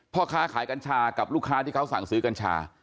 พ่อค้าขายกัญชากับลูกค้าที่เขาสั่งซื้อกัญชา